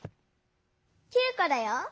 ９こだよ。